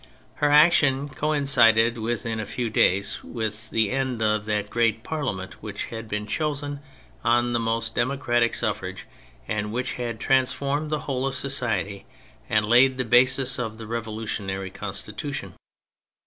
Her action coincided within a few days with the end of that great Parlia ment, which had been chosen on the most democratic suffrage, and which had trans formed the whole of society and laid the basis of the revolutionary Constitution.